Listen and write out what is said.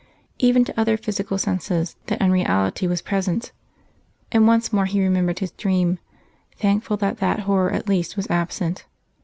Even to other physical senses that unreality was present; and once more he remembered his dream, thankful that that horror at least was absent.